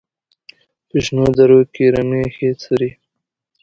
په شنو درو کې رمې ښې څري.